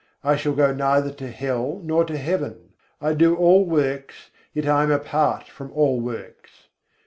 I shall go neither to hell nor to heaven. I do all works; yet I am apart from all works.